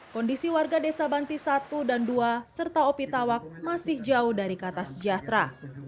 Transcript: kondisi warga desa banti satu dan dua serta opi tawak masih jauh dari kata sejahtera